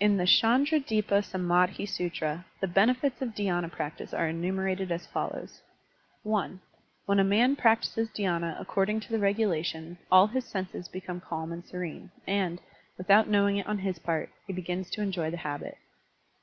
♦♦♦ In the Chandradipa sainddhi SUtra, the benefits of dhy^na practice are enumerated as follows: (i) When a man practises dhySna according to the regulation, all his senses become calm and serene, and, without knowing it on his part, he begins to enjoy the habit.